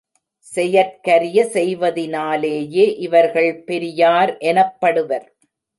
செயற்கரிய செய்வதினாலேயே இவர்கள் பெரியார் எனப்படுவர்.